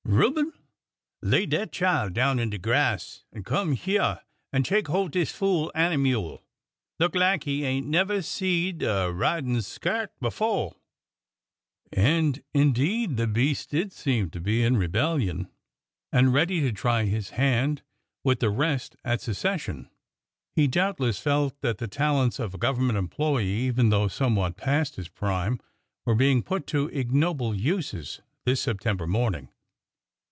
'' Reuben, lay dat chile down in de grass an' come hyeah an' take holt dis fool animule! Look lak he ain't never seed a ridin' skeart befo' !" And, indeed, the beast did seem to be in rebellion and ready to try his hand with the rest at secession. He doubtless felt that the talents of a government employee, even though somewhat past his prime, were being put to ignoble uses this September morning.